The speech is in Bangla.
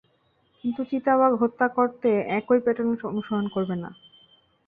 কিন্তু, চিতাবাঘ হত্যা করতে একই প্যার্টান অনুসরণ করবে না।